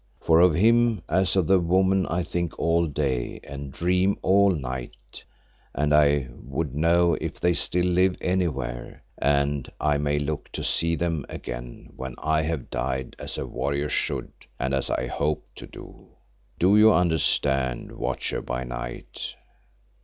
For of him as of the woman I think all day and dream all night, and I would know if they still live anywhere and I may look to see them again when I have died as a warrior should and as I hope to do. Do you understand, Watcher by Night?"